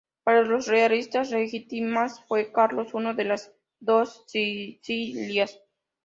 Para los realistas legitimistas fue Carlos I de las Dos Sicilias.